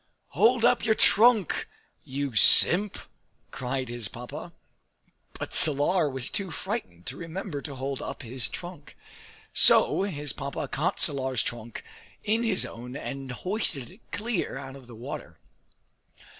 "Hold up your trunk, you simp!" cried his Papa. But Salar was too frightened to remember to hold up his trunk; so his Papa caught Salar's trunk in his own and hoisted it clear out of the water.